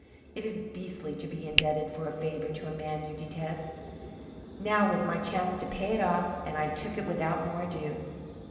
It is beastly to be indebted for a favor to a man you detest. Now was my chance to pay it off and I took it without more ado.